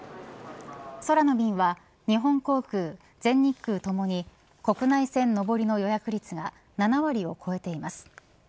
空の便は日本航空、全日空ともに国内線上りの予約率が７割を超えています。